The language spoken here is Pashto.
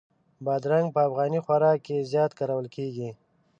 بادرنګ په افغاني خوراک کې زیات کارول کېږي.